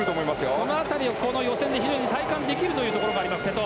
その辺りを、この予選で非常に体感できるというところもあります、瀬戸。